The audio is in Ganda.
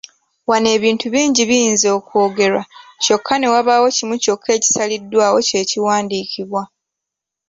Wano ebintu bingi biyinza okwogerwa kyokka ne wabaawo kimu kyokka ekisaliddwawo kye kiwandiikibwa.